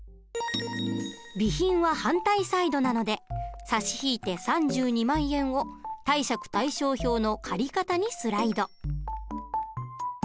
備品は反対サイドなので差し引いて３２万円を貸借対照表の借方にスライド。